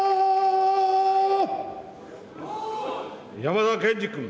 山田賢司君。